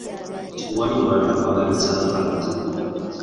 Tewali mulala akwagaliza nga nze.